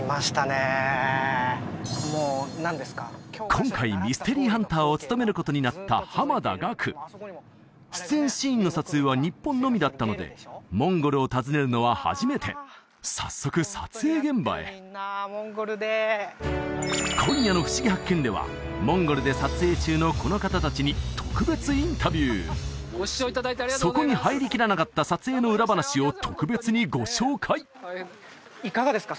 今回ミステリーハンターを務めることになった濱田岳出演シーンの撮影は日本のみだったのでモンゴルを訪ねるのは初めて早速撮影現場へ今夜の「ふしぎ発見！」ではモンゴルで撮影中のこの方達にそこに入りきらなかった撮影の裏話を特別にご紹介いかがですか？